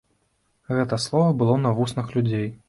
Гэта слова было на вуснах людзей.